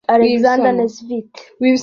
Alexander Nesvit